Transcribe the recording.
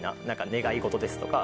願い事ですとか